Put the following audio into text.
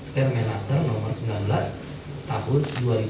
permenaker no sembilan belas tahun dua ribu lima belas